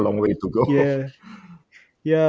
dan masih ada jalan yang jauh